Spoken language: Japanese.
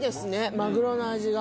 マグロの味が。